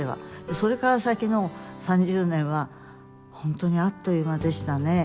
それから先の３０年は本当にあっという間でしたね。